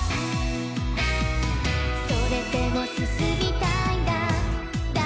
「それでも進みたいんだ」